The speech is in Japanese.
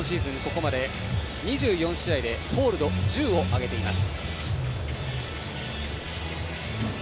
ここまで２４試合でホールド１０を挙げています。